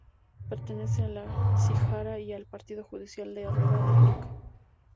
Pertenece a la de Cijara y al partido judicial de Herrera del Duque.